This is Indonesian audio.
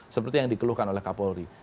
seperti yang dikeluhkan oleh kapolri